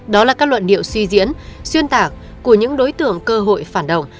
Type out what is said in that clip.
đó là các luận điệu suy diễn xuyên tạc của những đối tượng cơ hội phản động